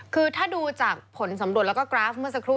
คือถ้าดูจากผลสำรวจแล้วก็กราฟเมื่อสักครู่